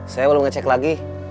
saya belum ngecek lagi